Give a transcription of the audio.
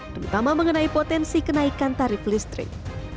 terutama mengenai potensi kenaikan tarif listrik